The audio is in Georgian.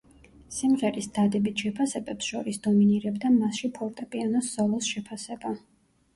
სიმღერის დადებით შეფასებებს შორის დომინირებდა მასში ფორტეპიანოს სოლოს შეფასება.